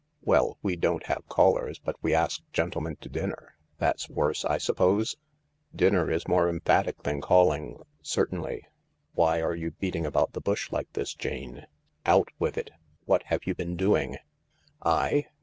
Well, we don't have callers, but we ask gentlemen to dinner — that's worse, I suppose ?"" Dinner is more emphatic than calling, certainly. Why are you beating about the bush like this, Jane ? Out with it 1 What have you been doing ?"" I